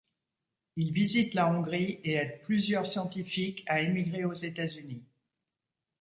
Il visite la Hongrie et aide plusieurs scientifiques à émigrer aux États-Unis.